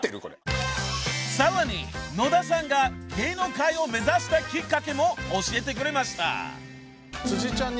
［さらに野田さんが芸能界を目指したきっかけも教えてくれました］